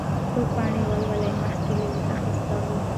څو پاڼې ولولئ مخکې له اخيستلو.